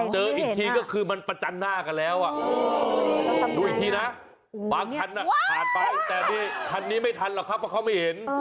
เจออีกทีก็คือมันประจันหน้ากันแล้วดูอีกทีนะบางคันผ่านไปแต่นี่คันนี้ไม่ทันหรอกครับเพราะเขาไม่เห็น